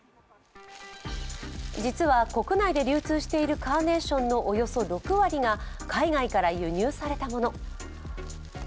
実は、国内で流通しているカーネーションのおよそ６割が海外から輸入されたもの。